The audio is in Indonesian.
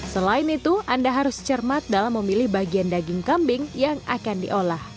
selain itu anda harus cermat dalam memilih bagian daging kambing yang akan diolah